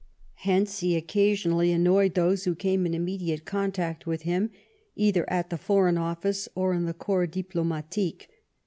Hence he occasionally annoyed those who came in imme diate contact with him either at the Foreign Office or in the Corps Diplomatique.